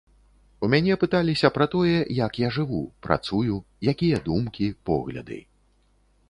У мяне пыталіся пра тое, як я жыву, працую, якія думкі, погляды.